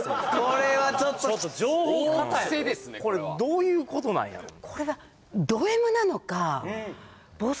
これは・これどういうことなんやろう？